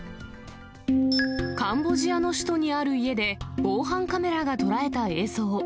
カンボジアの首都にある家で、防犯カメラが捉えた映像。